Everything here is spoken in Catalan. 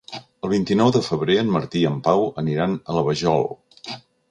El vint-i-nou de febrer en Martí i en Pau aniran a la Vajol.